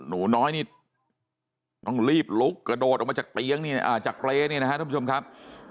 หนูน้อยนี่ต้องรีบลุกกระโดดออกมาจากเล้นี่นะครับท่านผู้ชมครับ